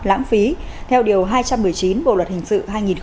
lãng phí theo điều hai trăm một mươi chín bộ luật hình sự hai nghìn một mươi năm